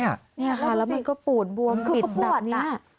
นี่ค่ะแล้วมันก็ปูดบวมปิดแบบนี้